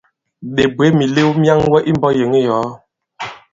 Ɓè bwě mìlew myaŋwɛ i mbɔ̄k yěŋ i yòo?